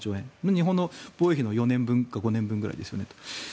日本の防衛費の４年分か５年分ですよね。